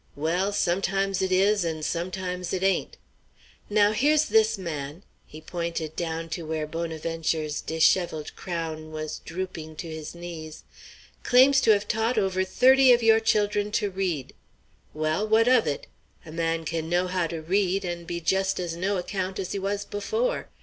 Well, sometimes it is and sometimes it ain't. Now, here's this man" he pointed down to where Bonaventure's dishevelled crown was drooping to his knees "claims to have taught over thirty of your children to read. Well, what of it? A man can know how to read, and be just as no account as he was before.